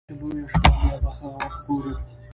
کله چې لويه شوه بيا به هغه وخت ګورو.